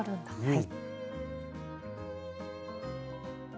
はい。